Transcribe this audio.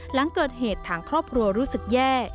หลังเกิดเหตุทางครอบครัวรู้สึกแย่